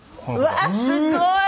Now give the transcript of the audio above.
うわすごい！